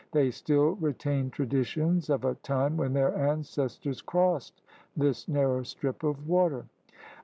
They still retain traditions of a time when their ancestors crossed this narrow strip of water.